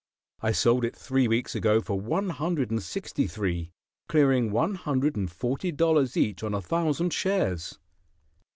I sold it three weeks ago for one hundred and sixty three, clearing one hundred and forty dollars each on a thousand shares."